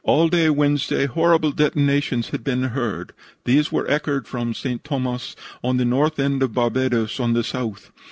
All day Wednesday horrid detonations had been heard. These were echoed from St. Thomas on the north to Barbados on the south.